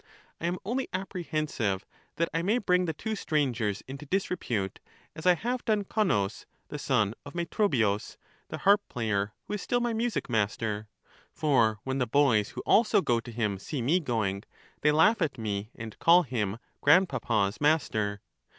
I am only apprehensive that I may bring the two strangers into disrepute, as I have done Connus the son of Metrobius, the harp player, who is still my music master; for when the boys who also go to him see me going, they laugh at me and call him grandpapa's master.